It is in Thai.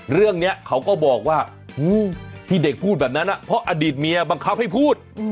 เรื่องนี้เขาก็บอกว่าที่เด็กพูดแบบนั้นเพราะอดีตเมียบังคับให้พูด